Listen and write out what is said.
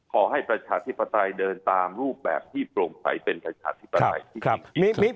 ประชาธิปไตยเดินตามรูปแบบที่โปร่งใสเป็นประชาธิปไตยที่ดี